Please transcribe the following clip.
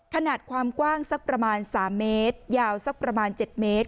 ขนาดความกว้างสักประมาณ๓เมตรยาวสักประมาณ๗เมตร